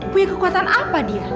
punya kekuatan apa dia